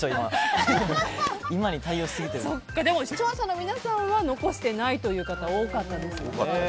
視聴者の皆さんは残していないという方が多かったですね。